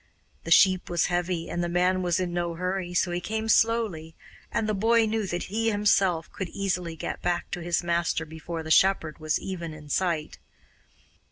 The sheep was heavy and the man was in no hurry, so he came slowly and the boy knew that he himself could easily get back to his master before the shepherd was even in sight.